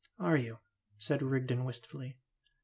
"Are you?" said Rigden, wistfully.